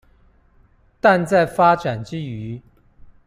但在發展之餘